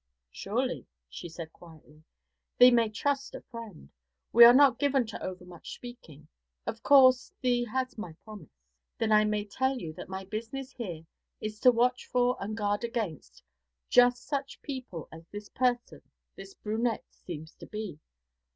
'Surely,' she said quietly. 'Thee may trust a Friend. We are not given to overmuch speaking. Of course thee has my promise.' 'Then I may tell you that my business here is to watch for and guard against just such people as this person, this brunette, seems to be.